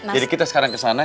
jadi kita sekarang kesana